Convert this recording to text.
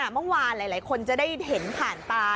เมื่อวานหลายคนจะได้เห็นผ่านตา